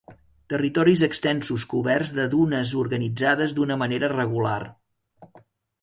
Territoris extensos coberts de dunes organitzades d'una manera regular.